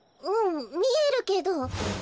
うんみえるけど。